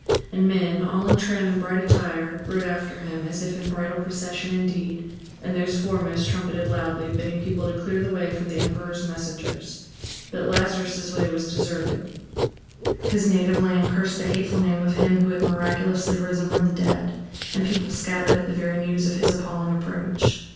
And men, all in trim and bright attire, rode after him, as if in bridal procession indeed, and those foremost trumpeted loudly, bidding people to clear the way for the emperor's messengers. But Lazarus' way was deserted: his native land cursed the hateful name of him who had miraculously risen from the dead, and people scattered at the very news of his appalling approach.